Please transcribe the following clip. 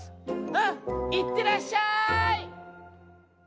「うんいってらっしゃい！」。